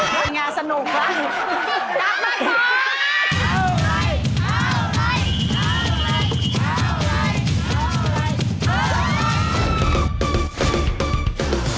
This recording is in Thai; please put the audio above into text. มันงานสนุกเลย